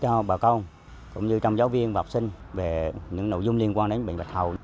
cho bà con cũng như trong giáo viên và học sinh về những nội dung liên quan đến bệnh bạch hầu